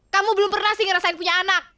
kamu belum pernah sih ngerasain punya anak